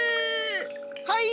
はい！